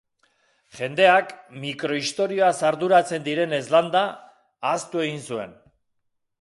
Jendeak, mikrohistoriaz arduratzen direnez landa, ahaztu egin zuen.